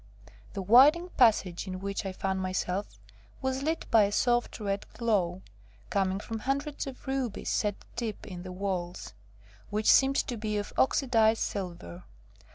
The winding passage in which I found myself was lit by a soft red glow, coming from hundreds of rubies set deep in the walls, which seemed to be of oxidised silver.